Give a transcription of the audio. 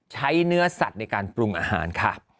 ใช้เนื้อสัตว์ในการปรุงอาหารค่ะ